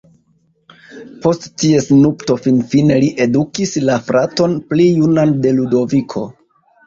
Post ties nupto finfine li edukis la fraton pli junan de Ludoviko.